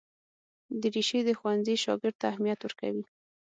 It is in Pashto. دریشي د ښوونځي شاګرد ته اهمیت ورکوي.